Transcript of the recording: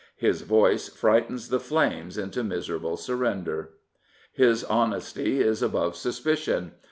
His voice frightens the flames into miserable surrender. His honesty is above suspicion.